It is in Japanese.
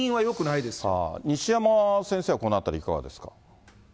西山先生はこのあたりいかがですか。